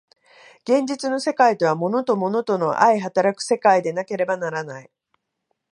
現実の世界とは物と物との相働く世界でなければならない。